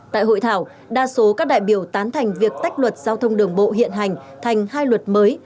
tại hội thảo đa số các đại biểu tán thành việc tách luật giao thông đường bộ hiện hành thành hai luật mới